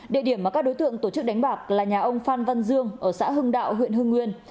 địa điểm mà các đối tượng tổ chức đánh bạc là nhà ông phan văn dương ở xã hưng đạo huyện hưng nguyên